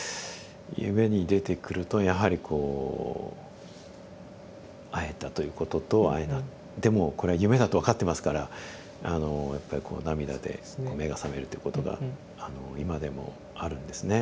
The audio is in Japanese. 夢に出てくるとやはりこう会えたということと会えなでも「これは夢だ」と分かってますからやっぱりこう涙で目が覚めるってことが今でもあるんですね。